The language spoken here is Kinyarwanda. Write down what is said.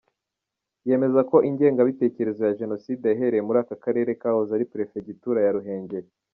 Yemeza ko ingengabitekerezo ya Jenoside yahereye muri aka karere kahoze ari Perefeditura ya Ruhengeri.